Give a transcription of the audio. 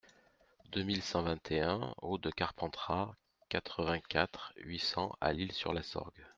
deux mille cent vingt et un route de Carpentras, quatre-vingt-quatre, huit cents à L'Isle-sur-la-Sorgue